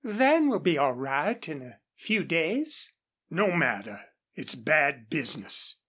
"Van will be all right in a few days." "No matter. It's bad business.